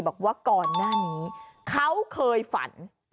บอกว่าก่อนหน้านี้เขาเคยฝัน